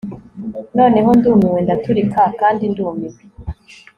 noneho ndumiwe, ndaturika kandi ndumiwe